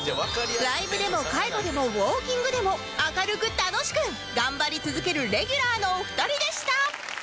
ライブでも介護でもウオーキングでも明るく楽しく頑張り続けるレギュラーのお二人でした！